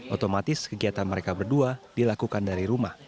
otomatis kegiatan mereka berdua dilakukan dari rumah